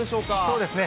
そうですね。